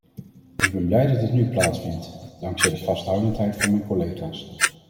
Ik ben blij dat het nu plaatsvindt, dankzij de vasthoudendheid van mijn collega's.